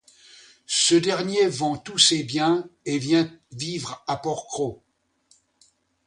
Ce dernier vend tous ses biens, et vient vivre à Port-Cros.